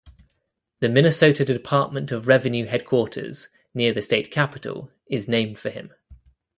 The Minnesota Department of Revenue headquarters near the State Capitol is named for him.